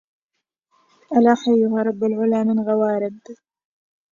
ألا حيها رب العلى من غوارب